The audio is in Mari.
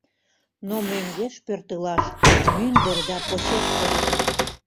Но мӧҥгеш пӧртылаш мӱндыр да почеш кодынам.